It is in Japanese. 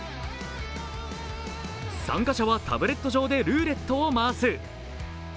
参加者はタブレット上でルーレットを回す。